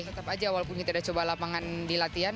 tetap aja walaupun kita udah coba lapangan di latihan